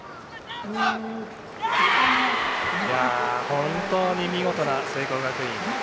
本当に見事な聖光学院